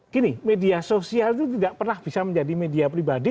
gini media sosial itu tidak pernah bisa menjadi media pribadi